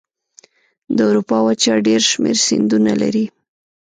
د اروپا وچه ډېر شمیر سیندونه لري.